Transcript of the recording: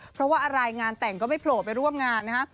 เพราะว่าอะไรงานแต่งก็ไม่โผล่ไปร่วมงานนะฮะ